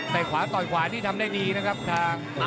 แต่ขวาต่อยขวานี่ทำได้ดีนะครับทาง